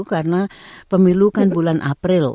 karena pemilukan bulan april